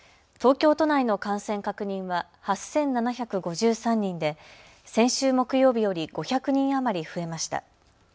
東京都内の感染確認は８７５３人で先週木曜日より５００人余り増えました。